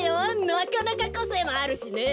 なかなかこせいもあるしね。